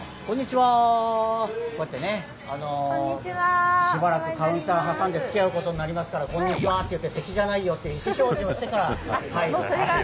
こうやってねしばらくカウンター挟んでつきあうことになりますから「こんにちは」って言って敵じゃないよって意思表示をしてから入る。